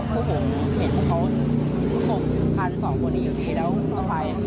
พวกมันเห็นว่าเขาทุกคนทานสองคนอยู่ที่นี่